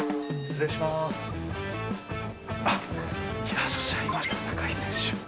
いらっしゃいました坂井選手。